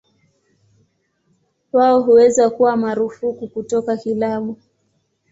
Wao huweza kuwa marufuku kutoka kilabu.